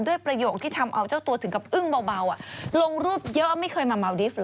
ประโยคที่ทำเอาเจ้าตัวถึงกับอึ้งเบาลงรูปเยอะไม่เคยมาเมาดิฟต